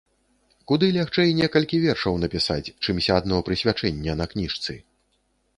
Куды лягчэй некалькі вершаў напісаць, чымся адно прысвячэнне на кніжцы.